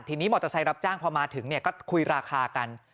ทีนี้มอเตอร์ไซค์รับจ้างพอมาถึงเนี่ยก็คุยราคากัน